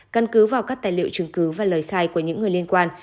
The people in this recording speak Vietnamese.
căn cứ vào các tài liệu chứng cứ và lời khai của những người liên quan